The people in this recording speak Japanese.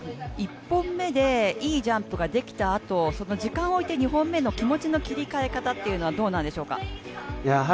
１本目でいいジャンプができたあと、時間をおいて２本目の気持ちの切り替え方というのは、どうなんでしょうか？